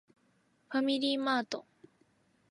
ファミリーマート